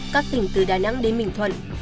các tỉnh từ đà nẵng đến bình thuận